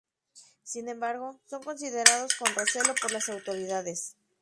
Sin embargo, son considerados con recelo por las autoridades.